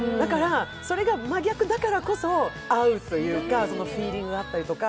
それが真逆だからこそ合うというか、フィーリングだったりとか。